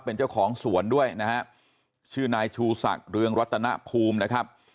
เป็นเจ้าของสวนด้วยนะฮะชื่อนายชูศักดิ์เรืองรัตนภูมินะครับ